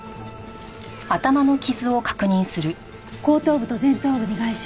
後頭部と前頭部に外傷。